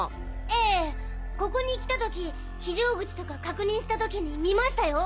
ええここに来た時非常口とか確認した時に見ましたよ。